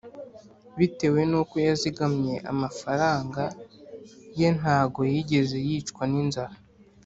bitewe n’uko yazingamye amafaranga ye ntago yigeze yicwa ninzara